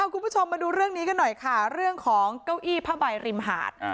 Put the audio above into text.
คุณผู้ชมมาดูเรื่องนี้กันหน่อยค่ะเรื่องของเก้าอี้ผ้าใบริมหาด